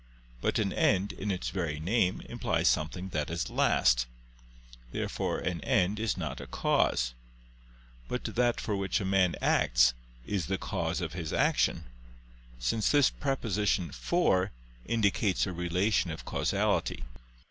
But an end, in its very name, implies something that is last. Therefore an end is not a cause. But that for which a man acts, is the cause of his action; since this preposition "for" indicates a relation of causality.